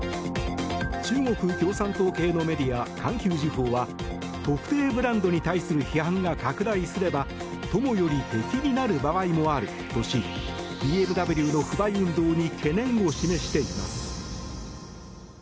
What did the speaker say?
中国共産党系のメディア環球時報は特定ブランドに対する批判が拡大すれば友より敵になる場合もあるとしＢＭＷの不買運動に懸念を示しています。